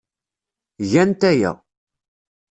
Gant aya.